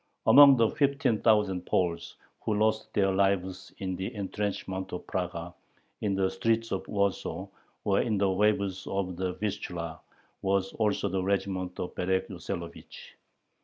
Among the fifteen thousand Poles who lost their lives in the intrenchments of Praga, in the streets of Warsaw, or in the waves of the Vistula, was also the regiment of Berek Yoselovich.